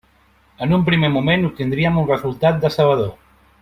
En un primer moment obtindríem un resultat decebedor.